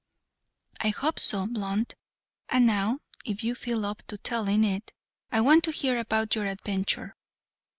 "I hope so, Blunt. And now, if you feel up to telling it, I want to hear about your adventure.